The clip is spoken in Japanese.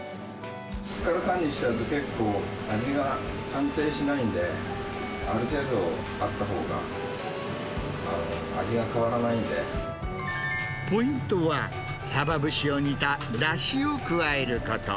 すっからかんにしちゃうと、結構味が安定しないんで、ある程度あったほうが、味が変わらないポイントは、さば節を煮ただしを加えること。